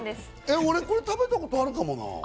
俺、これ食べたことあるかもな。